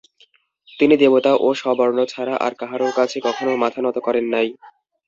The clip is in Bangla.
তিনি দেবতা ও স্ববর্ণ ছাড়া আর কাহারও কাছে কখনও মাথা নত করেন নাই।